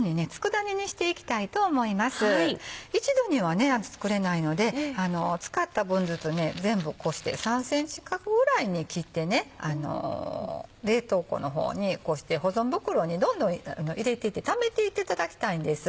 一度にはね作れないので使った分ずつ全部こうして３ｃｍ角ぐらいに切って冷凍庫の方にこうして保存袋にどんどん入れていってためていっていただきたいんです。